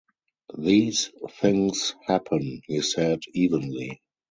"These things happen," he said evenly.